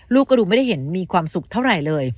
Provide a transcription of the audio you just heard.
ลูกก็ดูไม่ได้เห็นมีความสุขเท่าไหร่เลย